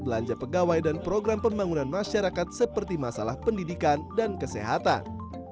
belanja pegawai dan program pembangunan masyarakat seperti masalah pendidikan dan kesehatan